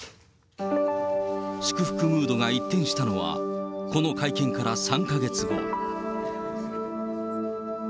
祝福ムードが一転したのは、この会見から３か月後。